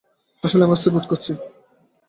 আসলে আমি অস্থির বোধ করছি।